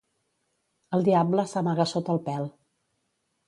El diable s'amaga sota el pèl.